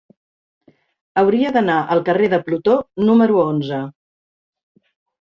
Hauria d'anar al carrer de Plutó número onze.